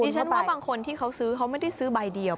ฉันว่าบางคนที่เขาซื้อเขาไม่ได้ซื้อใบเดียว